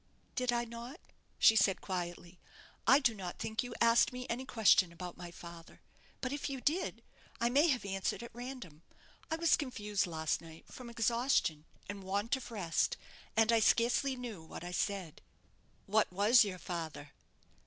"Did I not?" she said, quietly. "I do not think you asked me any question about my father; but if you did, I may have answered at random; I was confused last night from exhaustion and want of rest, and I scarcely knew what I said." "What was your father?"